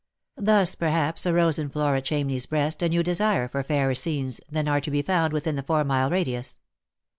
Thus, perhaps, arose in Flora Ohamney's breast a new desire for fairer scenes than are to be found within the four mile radius.